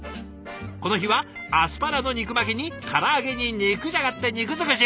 この日はアスパラの肉巻きにから揚げに肉じゃがって肉尽くし！